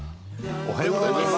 おはようございます。